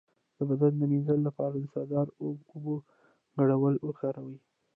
د بدن د مینځلو لپاره د سدر او اوبو ګډول وکاروئ